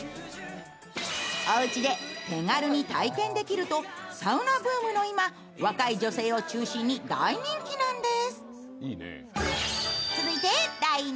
おうちで手軽に体験できるとサウナブームの今、若い女性を中心に大人気なんです。